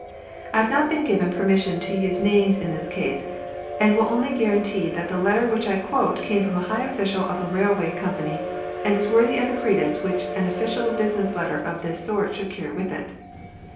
I have not been given permis sion to use names in this case, and will only guarantee that the letter which I quote came from a high official of a railway com pany and is worthy of the credence which an official business letter of this sort should carry with it.